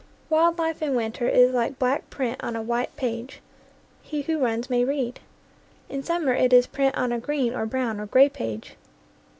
Wild life in winter is like black print on a white 43 NEW GLEANINGS IN OLD FIELDS page he who runs may read. In summer it is print on a green or brown or gray page.